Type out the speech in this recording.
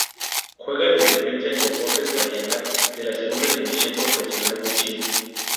Juega de Defensa en Deportes Vallenar de la Segunda División Profesional de Chile.